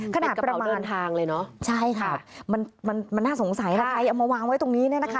ขนาดประมาณใช่ค่ะมันน่าสงสัยนะไงเอามาวางไว้ตรงนี้นะนะคะ